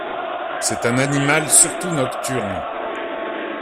C'est un animal surtout nocturne.